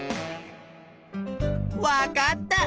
わかった！